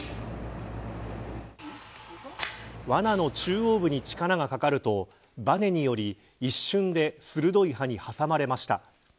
わなの中央部分に力がかかるとばねにより一瞬で鋭い刃に挟まれました。